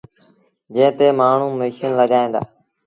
جݩهݩ تي مآڻهوٚݩ ميٚشيٚن لڳائيٚݩ دآ۔